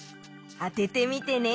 あててみてね。